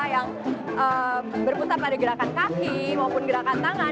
yang berputar pada gerakan kaki maupun gerakan tangan